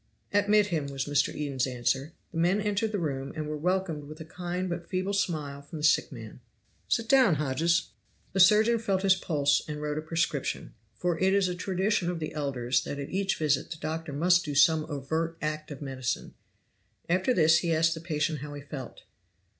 "Admit him," was Mr. Eden's answer. The men entered the room, and were welcomed with a kind but feeble smile from the sick man. "Sit down, Hodges." The surgeon felt his pulse and wrote a prescription; for it is a tradition of the elders that at each visit the doctor must do some overt act of medicine. After this he asked the patient how he felt.